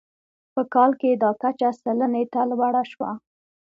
په کال کې دا کچه سلنې ته لوړه شوه.